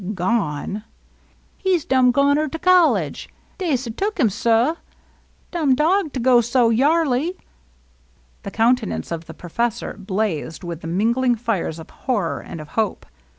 « Gone f ''" He 's dum goneter de college. Dey 'se tuk him, sah. Dum dog to go so yairly." The countenance of the professor blazed with the mingling fires of horror and of hope.